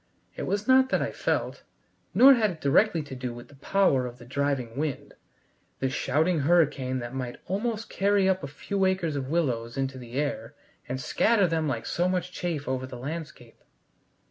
It was not that I felt. Nor had it directly to do with the power of the driving wind this shouting hurricane that might almost carry up a few acres of willows into the air and scatter them like so much chaff over the landscape.